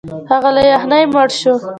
هغه له یخنۍ مړ شو.